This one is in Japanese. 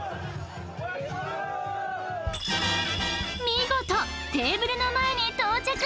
見事テーブルの前に到着